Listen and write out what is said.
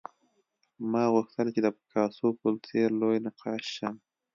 ما غوښتل چې د پیکاسو په څېر لوی نقاش شم